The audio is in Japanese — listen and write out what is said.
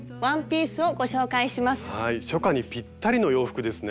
初夏にぴったりの洋服ですね。